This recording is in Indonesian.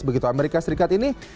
begitu amerika serikat ini